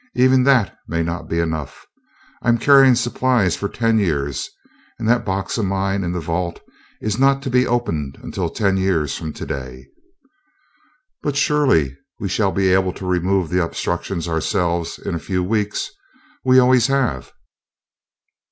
Even that may not be enough I am carrying supplies for ten years, and that box of mine in the vault is not to be opened until ten years from today." "But surely we shall be able to remove the obstructions ourselves in a few weeks. We always have."